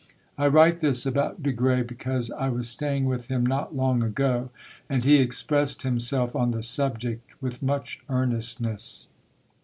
I write this about de Grey because I was staying with him not long ago, and he expressed himself on the subject with much earnestness.